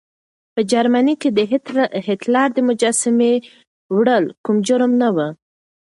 په جرمني کې د هېټلر د مجسمې وړل کوم جرم نه و.